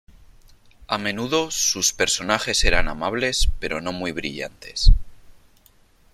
A menudo sus personajes eran amables pero no muy brillantes.